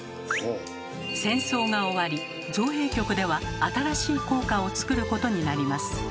戦争が終わり造幣局では新しい硬貨をつくることになります。